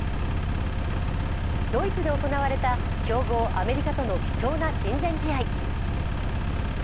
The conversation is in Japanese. ドイツで行われた強豪アメリカとの貴重な親善試合。